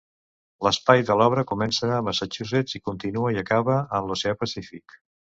L'espai de l'obra comença a Massachusetts, i continua i acaba en l'Oceà Pacífic.